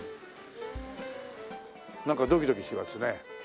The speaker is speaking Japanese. なんかドキドキしますね。